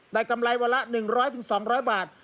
กำไรวันละ๑๐๐๒๐๐บาท